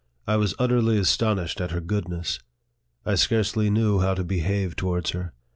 I was utterly astonished at her goodness. I scarcely knew how to behave towards her.